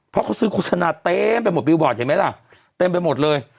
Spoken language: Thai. เพราะเขาซื้อโฆษณาเต็มไปหมดบิลบอร์ดเห็นไหมล่ะเต็มไปหมดเลย